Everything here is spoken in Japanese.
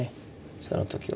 その時は。